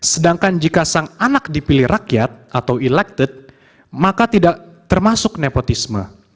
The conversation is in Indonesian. sedangkan jika sang anak dipilih rakyat atau elected maka tidak termasuk nepotisme